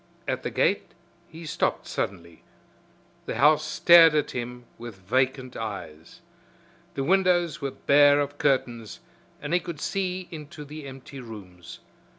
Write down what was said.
At the gate he stopped suddenly. The house stared at him with vacant eyes. The windows were bare of curtains and he could see into the empty rooms.